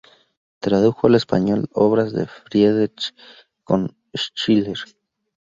Tradujo al español obras de Friedrich von Schiller.